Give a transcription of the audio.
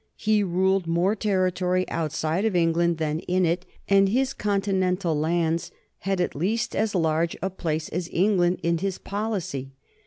He ruled more territory outside of England than in, and his continental lands had at least as large a place as England in his policy.